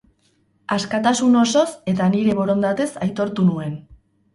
Askatasun osoz eta nire borondatez aitortu nuen.